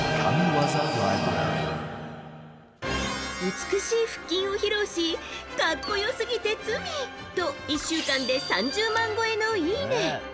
美しい腹筋を披露し格好良すぎて罪！と１週間で３０万超えのいいね！